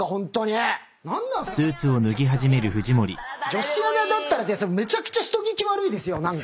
「女子アナだったら」ってめちゃくちゃ人聞き悪いですよ。